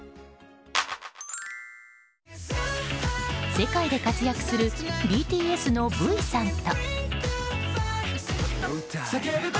世界で活躍するＢＴＳのＶさんと。